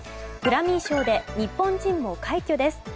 グラミー賞で日本人も快挙です。